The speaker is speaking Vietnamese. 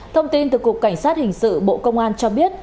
thông tin từ cục cảnh sát hình sự bộ công an cho biết